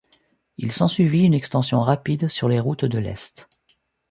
Il s'ensuivit une extension rapide sur les routes de l’Est.